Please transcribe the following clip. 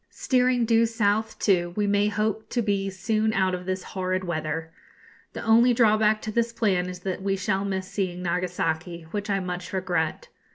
Steering due south, too, we may hope to be soon out of this horrid weather. The only drawback to this plan is that we shall miss seeing Nagasaki, which I much regret.